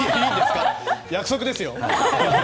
約束ですよ。